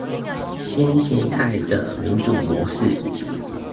新型態的民主模式